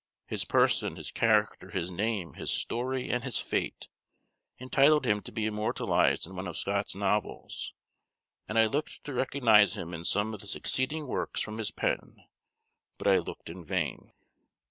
His person, his character, his name, his story, and his fate, entitled him to be immortalized in one of Scott's novels, and I looked to recognize him in some of the succeeding works from his pen; but I looked in vain.